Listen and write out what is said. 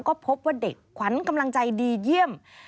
ก็พบว่าเด็กขวัญกำลังใจดีเยี่ยม